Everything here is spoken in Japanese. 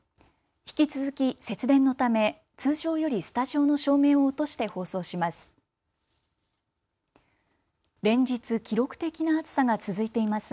引き続き節電のため通常よりスタジオの照明を落として放送します。